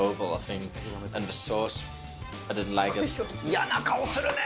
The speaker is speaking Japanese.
嫌な顔するね。